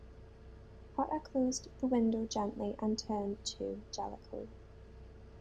Potter closed the window gently and turned to Jellicoe.